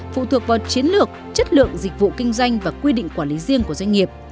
phụ thuộc vào chiến lược chất lượng dịch vụ kinh doanh và quy định quản lý riêng của doanh nghiệp